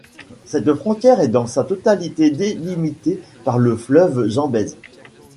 Cette frontière est dans sa totalité délimitée par le fleuve Zambèse.